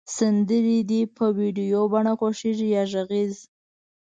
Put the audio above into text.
سندری د په ویډیو بڼه خوښیږی یا غږیز